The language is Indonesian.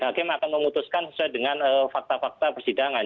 hakim akan memutuskan sesuai dengan fakta fakta persidangan